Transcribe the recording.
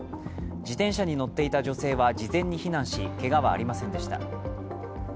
自転車に乗っていた女性は事前に避難し、けがはありませんでした。